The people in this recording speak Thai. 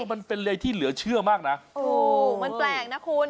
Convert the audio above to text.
มันเป็นอะไรที่เหลือเชื่อมากนะโอ้มันแปลกนะคุณ